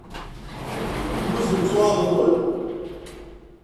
Mmuten lekwaɣeḍ-nwen?